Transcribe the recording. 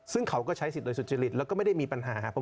ซึ่งเขาก็ใช้สิทธิ์โดยสุจริตแล้วก็ไม่ได้มีปัญหาครับ